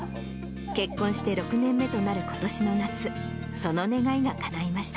結婚して６年目となることしの夏、その願いがかないました。